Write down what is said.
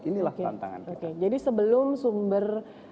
inilah tantangan oke jadi sebelum sumber